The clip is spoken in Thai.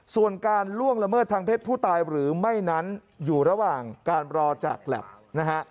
ส่วนการล่วงละเมิดทางเพศผู้ตายหรือไม่นั้นอยู่ระหว่างการรอจากแล็บนะฮะ